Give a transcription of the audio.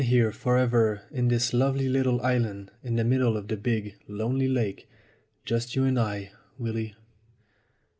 here for ever in this lovely little island in the middle of the big, lonely lake, just you and I, Willy